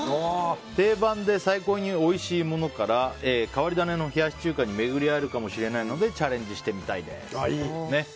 定番で最高においしいものから変わり種の冷やし中華に巡り合えるかもしれないのでチャレンジしてみたいです。